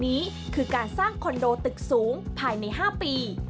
นี้คือการสร้างคอนโดตึกสูงภายใน๕ปี